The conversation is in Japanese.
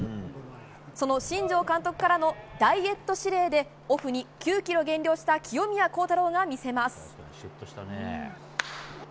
その新庄監督からのダイエット指令でオフに９ｋｇ減量した清宮幸太郎が見せます。